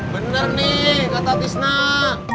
bener nih kata tis nak